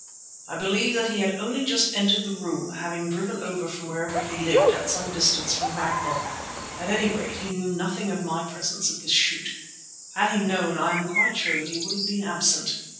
I believe that he had only just entered the room, having driven over from wherever he lived at some distance from Ragnall. At any rate, he knew nothing of my presence at this shoot. Had he known I am quite sure that he would have been absent.